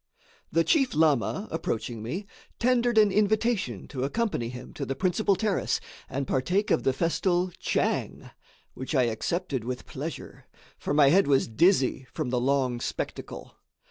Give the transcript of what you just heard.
The chief lama, approaching me, tendered an invitation to accompany him to the principal terrace and partake of the festal "tchang"; which I accepted with pleasure, for my head was dizzy from the long spectacle.